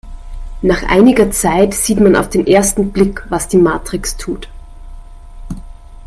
Nach einiger Zeit sieht man auf den ersten Blick, was die Matrix tut.